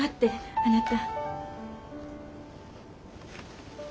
あなた。